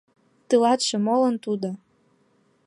— Тылатше молан тудо?